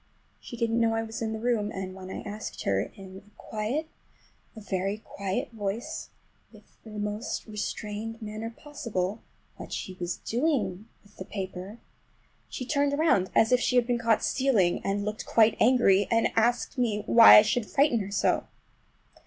She didn't know I was in the room, and when I asked her in a quiet, a very quiet voice, with the most restrained manner possible, what she was doing with the paper she turned around as if she had been caught stealing, and looked quite angry—asked me why I should frighten her so!